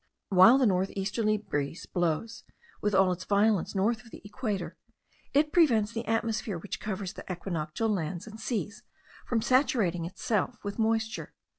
While the north easterly breeze blows with all its violence north of the equator, it prevents the atmosphere which covers the equinoctial lands and seas from saturating itself with moisture.